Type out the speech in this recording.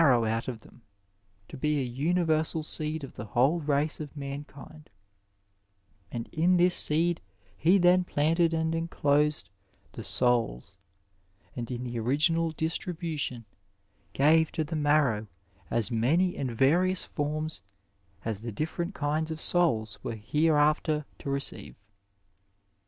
60 Digitized by Google AS DEPICTED IN PLATO row out of them to be a nniveisal seed of the whole race of mankind ; and in this seed he then planted and enclosed the souls, and in the original distribution gave to the mar row as many and various forms as the different kinds of souls were hereafter to receive.